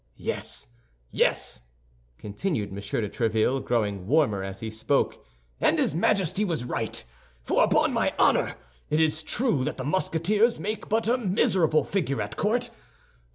"Yes, yes," continued M. de Tréville, growing warmer as he spoke, "and his majesty was right; for, upon my honor, it is true that the Musketeers make but a miserable figure at court.